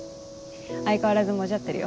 相変わらずモジャってるよ。